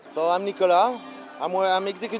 xin chào tôi là nicolas